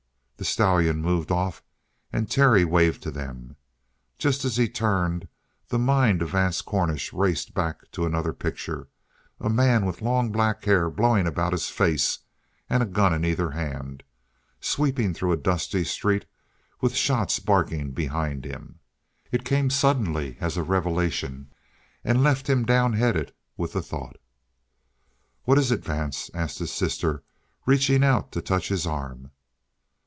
The stallion moved off, and Terry waved to them. Just as he turned, the mind of Vance Cornish raced back to another picture a man with long black hair blowing about his face and a gun in either hand, sweeping through a dusty street with shots barking behind him. It came suddenly as a revelation, and left him downheaded with the thought. "What is it, Vance?" asked his sister, reaching out to touch his arm.